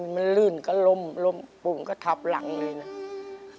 มันลื่นก็ล้มปุ่มก็ทับหลังเลยนะ